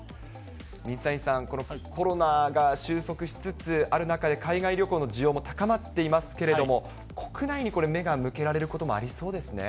水谷さん、このコロナが収束しつつある中で、海外旅行の需要も高まっていますけれども、国内にこれ、目が向けそうですね。